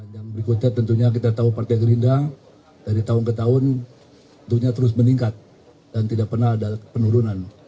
yang berikutnya tentunya kita tahu partai gerinda dari tahun ke tahun terus meningkat dan tidak pernah ada penurunan